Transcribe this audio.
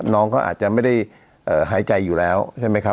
น้องก็อาจจะไม่ได้หายใจอยู่แล้วใช่ไหมครับ